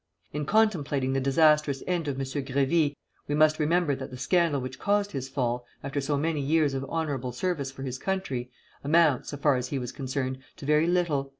In contemplating the disastrous end of M. Grévy we must remember that the scandal which caused his fall, after so many years of honorable service for his country, amounts, so far as he was concerned, to very little.